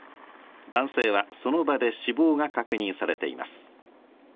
男性は、その場で死亡が確認されています。